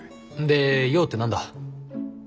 で用って何だ？